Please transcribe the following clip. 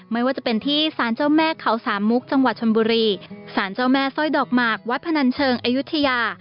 ไม่ว่าจะเป็นที่สารเจ้าแม่เขาสามมุกจังหวัดชนบุรีสารเจ้าแม่สร้อยดอกหมากวัดพนันเชิงอายุทยา